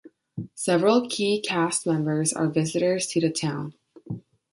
Several key cast members are visitors to the town.